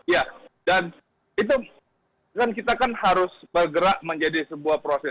ya dan itu kan kita kan harus bergerak menjadi sebuah proses